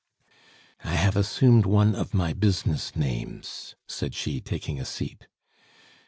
"I have assumed one of my business names," said she, taking a seat.